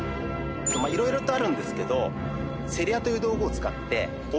いろいろとあるんですけどせり矢？